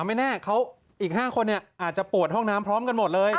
ไม่แน่เขาอีก๕คนอาจจะปวดห้องน้ำพร้อมกันหมดเลย